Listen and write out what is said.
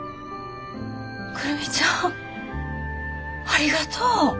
久留美ちゃんありがとう。